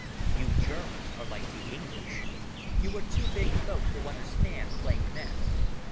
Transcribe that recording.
You Germans are like the English; you are too big folk to understand plain men.